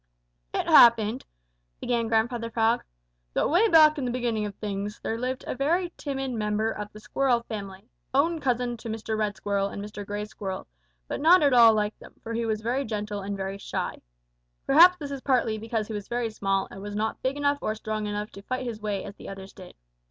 "It happened," began Grandfather Frog, "that way back in the beginning of things, there lived a very timid member of the Squirrel family, own cousin to Mr. Red Squirrel and Mr. Gray Squirrel, but not at all like them, for he was very gentle and very shy. Perhaps this was partly because he was very small and was not big enough or strong enough to fight his way as the others did.